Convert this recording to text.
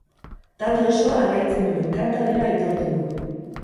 Talde osoa alaitzen duen kanta dela aitortu du.